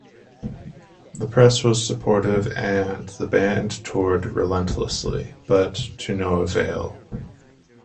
The press was supportive and the band toured relentlessly, but to no avail.